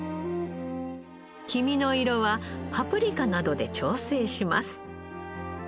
黄身の色はパプリカなど調整でします。